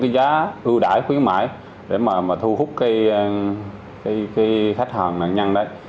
quyến khuyến mại để mà thu hút cái khách hàng nạn nhân đấy